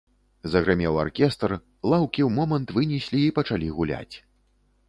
Загрымеў аркестр, лаўкі ў момант вынеслі і пачалі гуляць.